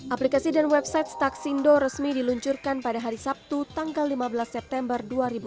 aplikasi dan website staksindo resmi diluncurkan pada hari sabtu tanggal lima belas september dua ribu dua puluh